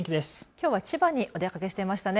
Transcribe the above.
きょうは千葉にお出かけしていましたね。